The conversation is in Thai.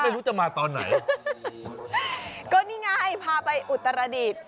ไม่รู้จะมาตอนไหนก็นี่ไงพาไปอุตรดิษฐ์